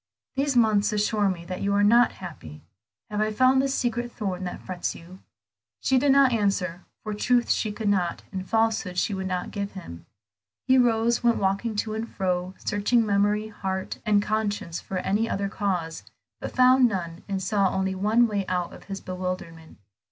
These months assure me that you are not happy; have I found the secret thorn that frets you?" She did not answer, for truth she could not, and falsehood she would not, give him. He rose, went walking to and fro, searching memory, heart, and conscience for any other cause, but found none, and saw only one way out of his bewilderment.